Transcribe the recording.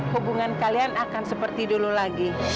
hubungan kalian akan seperti dulu lagi